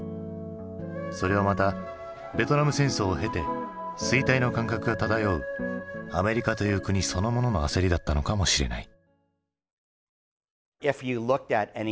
それはまたベトナム戦争を経て衰退の感覚が漂うアメリカという国そのものの焦りだったのかもしれない。